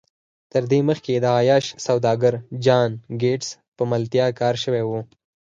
تر دې مخکې د عیاش سوداګر جان ګیټس په ملتیا کار شوی و